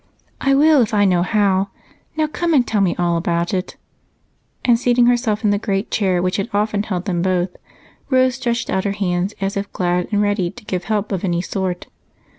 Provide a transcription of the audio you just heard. "I will if I know how. Now, come and tell me all about it." And, seating herself in the great chair which had often held them both, Rose stretched out her hands as if glad and ready to give help of any sort.